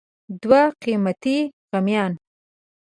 دوه قیمتي غمیان